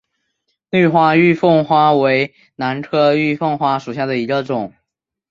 绿花玉凤花为兰科玉凤花属下的一个种。